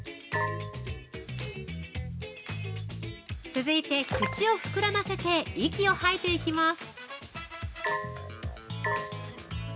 続いて、口を膨らませて息を吐いていきます。